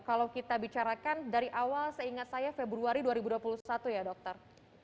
kalau kita bicarakan dari awal seingat saya februari dua ribu dua puluh satu ya dokter